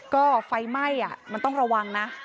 ก็ไฟไหม้มันต้องระวังนะ